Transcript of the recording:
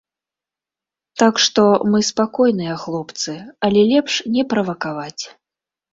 Так што, мы спакойныя хлопцы, але лепш не правакаваць.